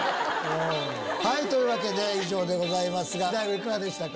というわけで以上でございますが大悟いかがでしたか？